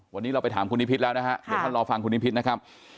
วันนี้เราไปถามคุณนิพิษแล้วนะฮะเดี๋ยวท่านรอฟังคุณนิพิษนะครับ